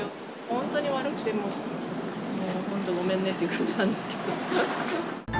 本当に悪くて、もう本当にごめんねっていう感じなんですけど。